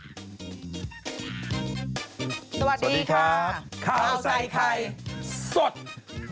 สวัสดีครับ